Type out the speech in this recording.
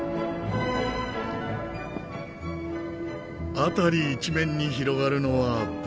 辺り一面に広がるのは葡萄畑。